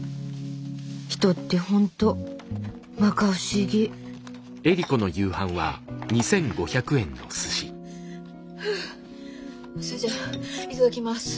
人って本当まか不思議ふぅそれじゃいただきます。